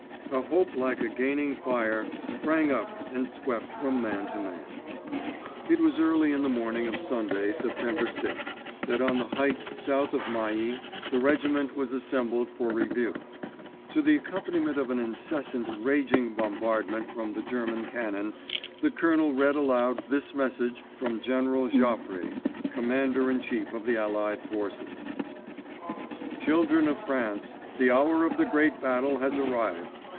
A hope like a gaining fire sprang up and swept from man to man. It was early in the morning of Sunday, September 6, that on the heights south of Mailly the regiment was assembled for review. To the accompaniment of an incessant, raging bombardment from the German cannon, the colonel read aloud this message from General Joffre, Commander in Chief of the Allied Forces: _Children of France, the hour of the great battle has arrived!